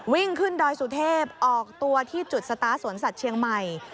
วิ่งขึ้นดอยสุเทพออกตัวที่จุดสตาร์ทสวนสัตว์เชียงใหม่